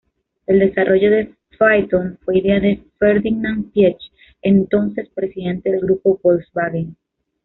El desarrollo del Phaeton fue idea de Ferdinand Piëch, entonces Presidente del Grupo Volkswagen.